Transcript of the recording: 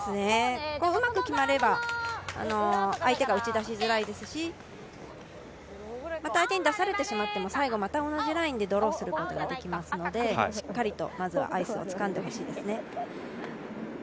うまく決まれば相手が打ち出しづらいですし、また相手に出されてしまっても最後また同じラインでドローすることができるのでしっかりとまずはアイスをつかんでほしいですね。